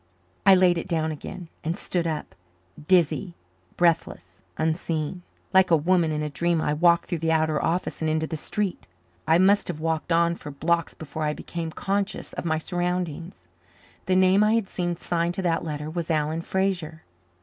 I laid it down again and stood up, dizzy, breathless, unseeing. Like a woman in a dream I walked through the outer office and into the street. I must have walked on for blocks before I became conscious of my surroundings. The name I had seen signed to that letter was Alan Fraser!